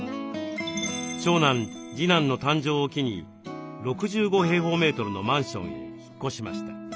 長男次男の誕生を機に６５のマンションへ引っ越しました。